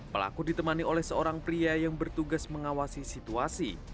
pelaku ditemani oleh seorang pria yang bertugas mengawasi situasi